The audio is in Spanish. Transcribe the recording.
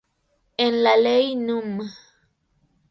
En la ley núm.